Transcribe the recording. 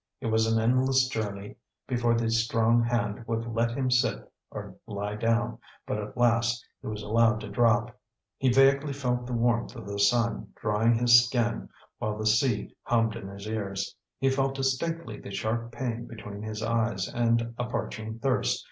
It was an endless journey before the strong hand would let him sit or lie down, but at last he was allowed to drop. He vaguely felt the warmth of the sun drying his skin while the sea hummed in his ears; he felt distinctly the sharp pain between his eyes, and a parching thirst.